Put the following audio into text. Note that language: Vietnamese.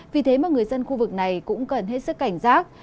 vì thế mà người dân khu vực này cũng cần hết sức cảnh giác